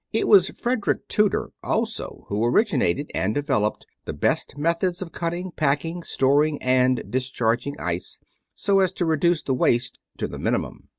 It was Frederick Tudor also who originated and developed the best methods of cutting, packing, storing, and discharging ice, so as to reduce the waste to the minimum.